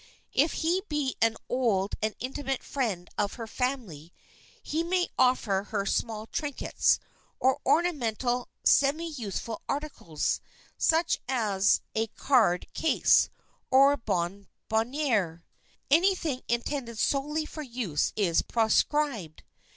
If he be an old and intimate friend of her family, he may offer her small trinkets, or ornamental, semi useful articles, such as a card case, or a bonbonnière. Anything intended solely for use is proscribed.